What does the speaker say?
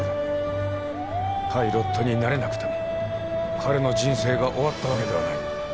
パイロットになれなくても彼の人生が終わったわけではない。